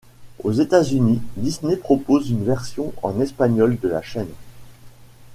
Aux États-Unis, Disney propose une version en espagnol de la chaîne.